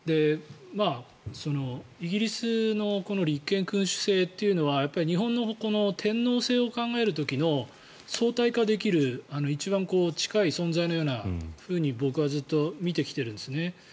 イギリスの立憲君主制というのは日本の天皇制を考える時の相対化できる一番近い存在のようなふうに僕はずっと見てきてるんですね。